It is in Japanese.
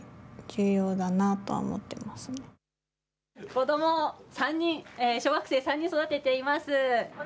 子ども３人、小学生３人育てています。